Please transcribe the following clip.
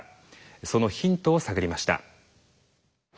そのヒントを探りました。